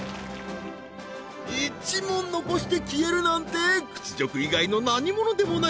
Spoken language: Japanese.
１問残して消えるなんて屈辱以外の何物でもない